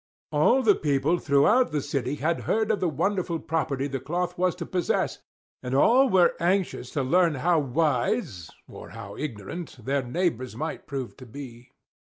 All the people throughout the city had heard of the wonderful property the cloth was to possess; and all were anxious to learn how wise, or how ignorant, their neighbors might prove to be.